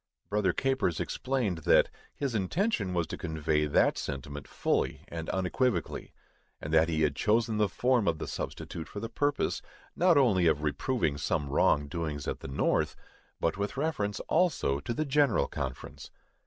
_ Brother Capers explained that his intention was to convey that sentiment fully and unequivocally; and that he had chosen the form of the substitute for the purpose, not only of reproving some wrong doings at the North, but with reference also to the General Conference.